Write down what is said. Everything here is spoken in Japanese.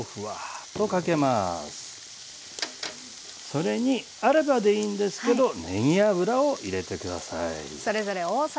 それにあればでいいんですけどねぎ油を入れて下さい。